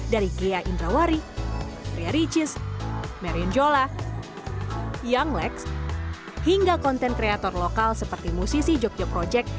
dari gria indrawari ria ricis marion jola young lex hingga konten kreator lokal seperti musisi jogja project